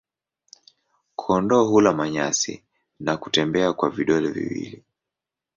Kondoo hula manyasi na kutembea kwa vidole viwili.